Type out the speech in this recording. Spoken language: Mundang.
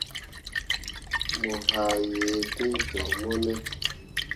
Mo haa yee fĩĩ joŋ mo ne ?